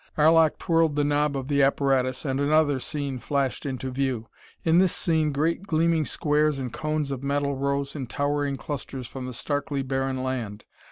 Arlok twirled the knob of the apparatus, and another scene flashed into view. In this scene great gleaming squares and cones of metal rose in towering clusters from the starkly barren land.